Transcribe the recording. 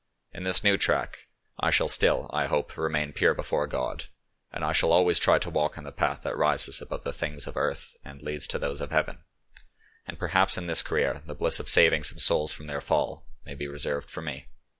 In this new track I shall still I hope, remain pure before God, and I shall always try to walk in the path that rises above the things of earth and leads to those of heaven, and perhaps in this career the bliss of saving some souls from their fall may be reserved for me.